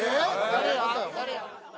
誰や？